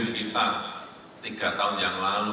kita tiga tahun yang lalu